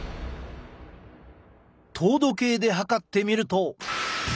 糖度計で測ってみると。